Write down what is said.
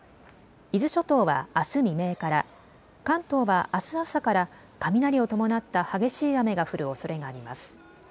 伊豆諸島はあす未明から、関東はあす朝から雷を伴った激しい雨が降るおそれがあります。